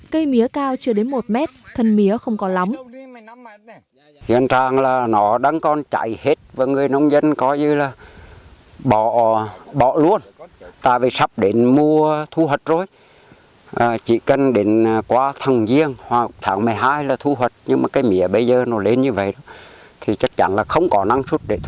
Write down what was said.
cây mía cao chưa đến một mét thân mía không có lắm